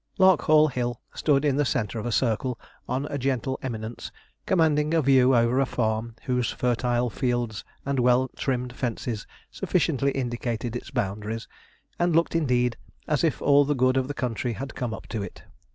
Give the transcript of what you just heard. Larkhall Hill stood in the centre of a circle, on a gentle eminence, commanding a view over a farm whose fertile fields and well trimmed fences sufficiently indicated its boundaries, and looked indeed as if all the good of the country had come up to it.